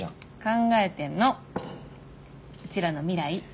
考えてんのうちらの未来。